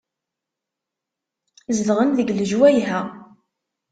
Zedɣen deg lejwayeh-a.